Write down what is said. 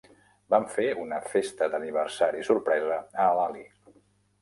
Vam fer una festa d'aniversari sorpresa a l'Ali.